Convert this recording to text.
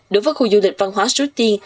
đối với khu du lịch văn hóa sú tiên